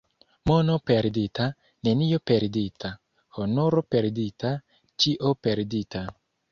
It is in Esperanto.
Mono perdita, nenio perdita, — honoro perdita, ĉio perdita.